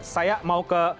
saya mau ke